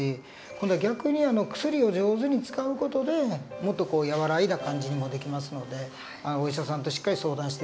今度は逆に薬を上手に使う事でもっと和らいだ感じにもできますのでお医者さんとしっかり相談して頂ければなというふうに思います。